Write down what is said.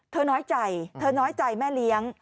เธอน้อยใจแม่เลี้ยง